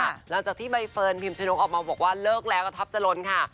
หลังจากที่ใบเฟิร์นพิมชนกออกมาบอกว่าเลิกแล้วกับท็อปจรนค่ะ